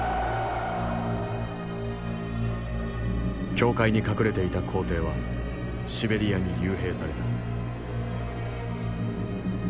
教会に隠れていた皇帝はシベリアに幽閉された。